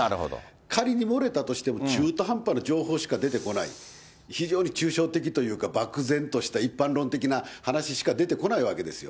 仮に漏れたとしても中途半端な情報しか出てこない、非常に抽象的というか、漠然とした一般論的な話しか出てこないわけですよ。